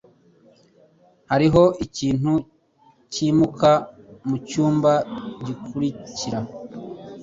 Hariho ikintu cyimuka mucyumba gikurikira.